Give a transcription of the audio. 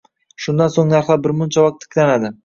Shundan so'ng, narxlar bir muncha vaqt tiklanadi